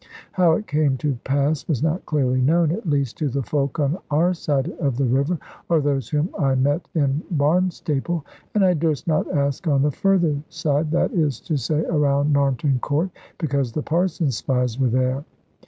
How it came to pass was not clearly known, at least to the folk on our side of the river, or those whom I met in Barnstaple. And I durst not ask on the further side, that is to say around Narnton Court, because the Parson's spies were there.